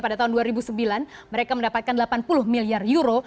pada tahun dua ribu sembilan mereka mendapatkan delapan puluh miliar euro